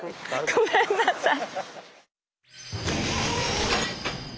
ごめんなさい。